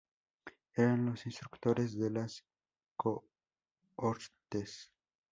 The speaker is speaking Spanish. Eran los instructores de las cohortes.